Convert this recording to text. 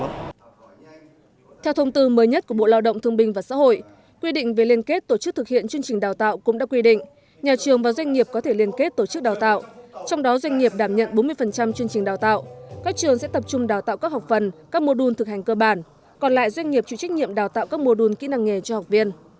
theo thông tư mới nhất của bộ lao động thương binh và xã hội quy định về liên kết tổ chức thực hiện chương trình đào tạo cũng đã quy định nhà trường và doanh nghiệp có thể liên kết tổ chức đào tạo trong đó doanh nghiệp đảm nhận bốn mươi chương trình đào tạo các trường sẽ tập trung đào tạo các học phần các mô đun thực hành cơ bản còn lại doanh nghiệp chịu trách nhiệm đào tạo các mô đun kỹ năng nghề cho học viên